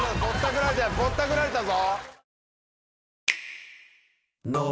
ぼったくられたぞ！